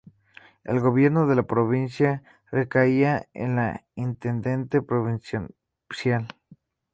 El gobierno de la provincia recaía en el intendente provincial.